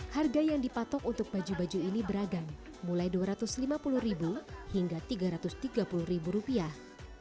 harga yang dipatok untuk baju baju ini beragam mulai dua ratus lima puluh ribu hingga tiga ratus tiga puluh rupiah